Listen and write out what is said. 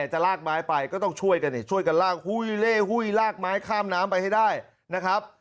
จะลากไม้ไปก็ต้องช่วยกันช่วยกันลากหุ้ยเล่หุ้ยลากไม้ข้ามน้ำไปให้ได้นะครับ